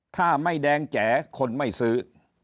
ถ้าไม่แดงแจ๋คนไม่ซื้อ